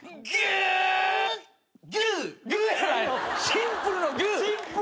シンプルのグー！